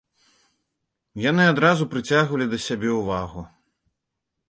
Яны адразу прыцягвалі да сябе ўвагу.